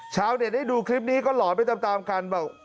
เช้าได้ดูคลิปนี้ก็หล่อไปตามกัน